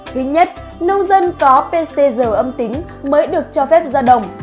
thứ nhất nông dân có pcr âm tính mới được cho phép ra đồng